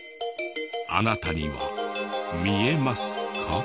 あなたには見えますか？